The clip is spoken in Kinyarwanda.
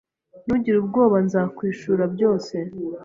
Ntugire ubwoba. Nzakwishura byose.